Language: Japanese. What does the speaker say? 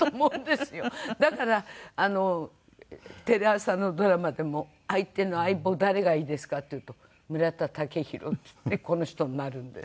だからテレ朝のドラマでも「相手の相棒誰がいいですか？」って言うと「村田雄浩」っつってこの人になるんです。